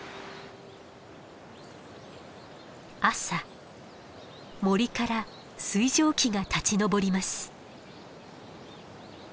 朝森から水蒸気が立ち上ります。